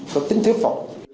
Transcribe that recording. có tính thuyết phục